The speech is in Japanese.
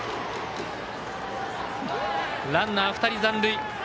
ランナー２人残塁。